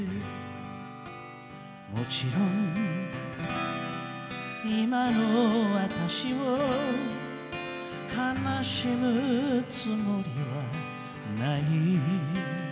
「勿論今の私を悲しむつもりはない」